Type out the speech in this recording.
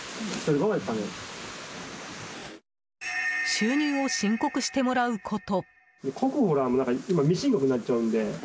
収入を申告してもらうこと。